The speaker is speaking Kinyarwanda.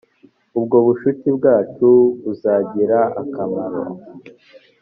ubwo bucuti bwacu buzagira akamaro